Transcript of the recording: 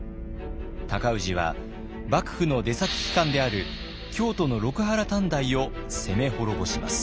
尊氏は幕府の出先機関である京都の六波羅探題を攻め滅ぼします。